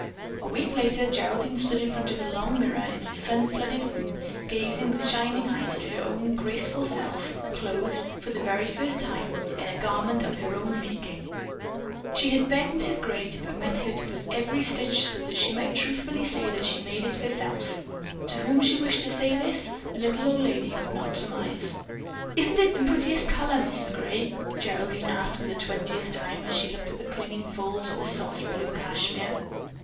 A week later Geraldine stood in front of the long mirror in her sun flooded room, gazing with shining eyes at her own graceful self, clothed, for the very first time, in a garment of her own making. She had begged Mrs. Gray to permit her to put in every stitch so that she might truthfully say that she made it all herself. To whom she wished to say this, the little old lady could not surmise. "Isn't it the prettiest color, Mrs. Gray?" Geraldine asked for the twentieth time as she looked at the clinging folds of soft blue cashmere.